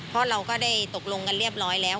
เพราะเราก็ได้ตกลงกันเรียบร้อยแล้ว